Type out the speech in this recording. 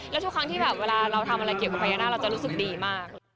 แล้วทุกครั้งที่แบบเวลาเราทำอะไรเกี่ยวกับพญานาคเราจะรู้สึกดีมาก